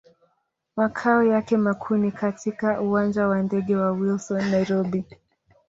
Makao yake makuu ni katika Uwanja wa ndege wa Wilson, Nairobi.